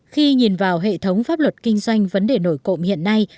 khi nhìn vào hệ thống pháp luật kinh doanh vấn đề nổi cộng hiện nay